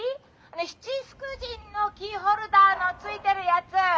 七福神のキーホルダーの付いてるやつ！